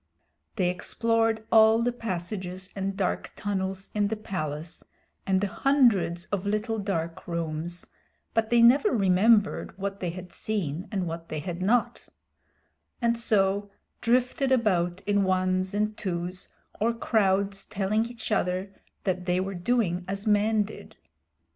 They explored all the passages and dark tunnels in the palace and the hundreds of little dark rooms, but they never remembered what they had seen and what they had not; and so drifted about in ones and twos or crowds telling each other that they were doing as men did.